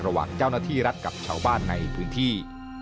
ระหว่างเจ้าหน้าที่รัฐกับชาวบ้านในพื้นที่